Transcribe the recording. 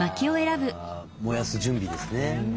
あ燃やす準備ですね。